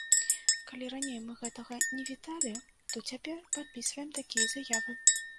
Калі раней мы гэтага не віталі, то цяпер падпісваем такія заявы.